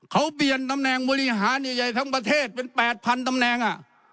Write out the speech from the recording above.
เขาเปลี่ยนตำแหน่งบริหารใหญ่ทั้งประเทศเป็น๘๐๐ตำแหน่ง